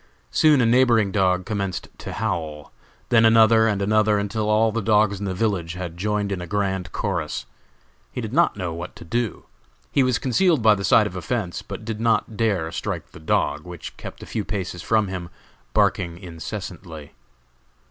Soon a neighboring dog commenced to howl; then another, and another, until all the dogs in the village had joined in a grand chorus. He did not know what to do. He was concealed by the side of a fence, but did not dare strike the dog, which kept a few paces from him, barking incessantly.